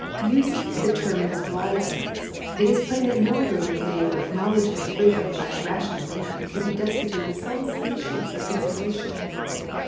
Using the term in this wide sense, it is plain that no agreement made with knowledge and freedom by a rational man can be destitute of some species of consideration.